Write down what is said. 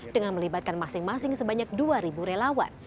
dengan melibatkan masing masing sebanyak dua relawan